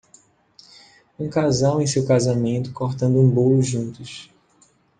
Um casal em seu casamento cortando um bolo juntos.